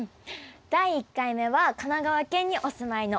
第１回目は神奈川県にお住まいの小野さんです。